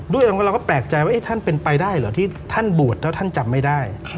เราก็แปลกใจว่าท่านเป็นไปได้เหรอที่ท่านบวชแล้วท่านจำไม่ได้